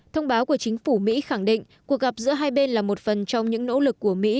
thông báo của chính phủ mỹ khẳng định cuộc gặp giữa hai bên là một phần trong những nỗ lực của mỹ